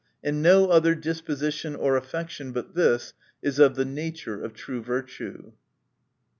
And no other disposition or affection but this is of the nature of true virtue.